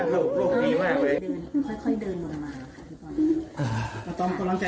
น้ำตาที่หลั่งออกมาเนี่ยคือน้ำตาของความดีใจของคุณพ่อคุณแม่นะคะ